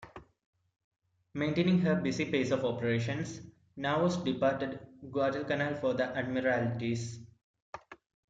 Maintaining her busy pace of operations, "Naos" departed Guadalcanal for the Admiralties.